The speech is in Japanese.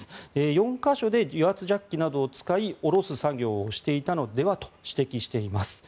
４か所で油圧ジャッキなどを使い下ろす作業をしていたのではと指摘しています。